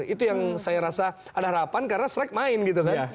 itu yang saya rasa ada harapan karena strict main gitu kan